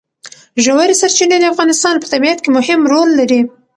ژورې سرچینې د افغانستان په طبیعت کې مهم رول لري.